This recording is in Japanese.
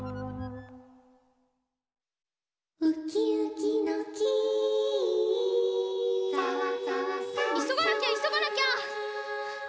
「ウキウキの木」いそがなきゃいそがなきゃ！